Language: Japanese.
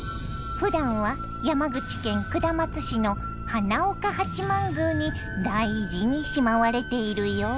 ふだんは山口県下松市の花岡八幡宮に大事にしまわれているよ。